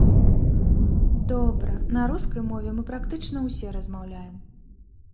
Добра, на рускай мове мы практычна ўсе размаўляем.